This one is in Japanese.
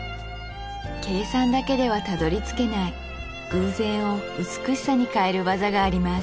計算だけではたどり着けない偶然を美しさにかえる技があります